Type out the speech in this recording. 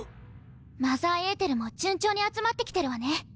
マザーエーテルも順調に集まってきてるわね。